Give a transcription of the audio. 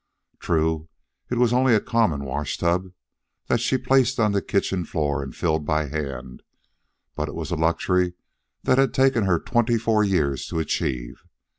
True, it was only a common washtub that she placed on the kitchen floor and filled by hand; but it was a luxury that had taken her twenty four years to achieve.